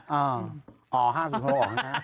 อ๋อ๕๐๖ไม่ออกข้างหน้า